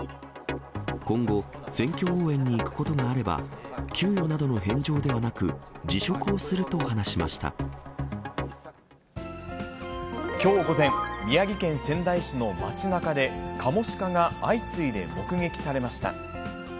今後、選挙応援に行くことがあれば、給与などの返上ではなく、きょう午前、宮城県仙台市の街なかで、カモシカが相次いで目撃されました。